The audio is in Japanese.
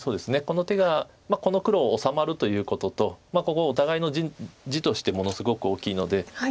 この手がこの黒を治まるということとここお互いの地としてものすごく大きいので。